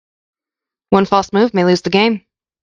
One false move may lose the game.